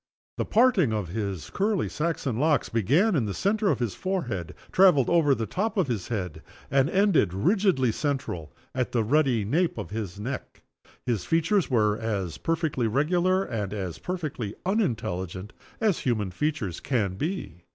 The parting of his curly Saxon locks began in the center of his forehead, traveled over the top of his head, and ended, rigidly central, at the ruddy nape of his neck. His features were as perfectly regular and as perfectly unintelligent as human features can be.